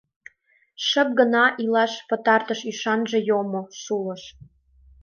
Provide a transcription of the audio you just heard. Шып гына илаш пытартыш ӱшанже йомо, шулыш.